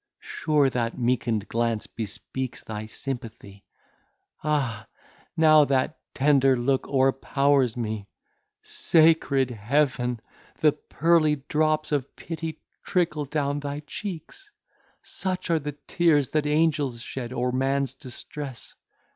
Sure that meekened glance bespeaks thy sympathy! Ah! how that tender look o'erpowers me! Sacred Heaven! the pearly drops of pity trickle down thy cheeks! Such are the tears that angels shed o'er man's distress!